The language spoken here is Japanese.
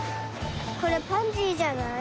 これパンジーじゃない？